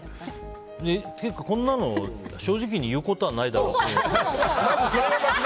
こんなの正直に言うことはないだろうって。